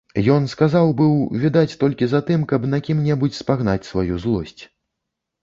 Ён сказаў быў, відаць, толькі затым, каб на кім-небудзь спагнаць сваю злосць.